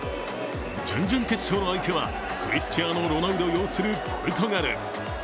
準々決勝の相手は、クリスチアーノ・ロナウド擁するポルトガル。